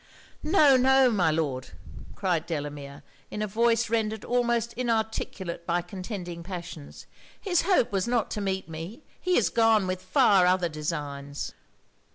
'No, no, my Lord,' cried Delamere, in a voice rendered almost inarticulate by contending passions 'his hope was not to meet me. He is gone with far other designs.'